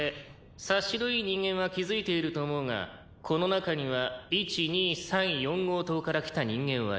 「察しのいい人間は気づいていると思うがこの中には壱弐参肆号棟から来た人間はいない」